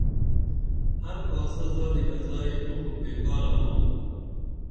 ہر کاسہ زادی کڅائی تو خو بے کارہ مہ بو